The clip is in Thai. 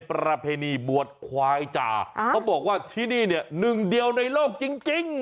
ประเพณีบวชควายจ่าเขาบอกว่าที่นี่เนี่ยหนึ่งเดียวในโลกจริง